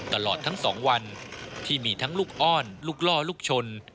ตลอดทั้ง๒วันที่มีทั้งลูกอ้อนลูกล่อลูกชน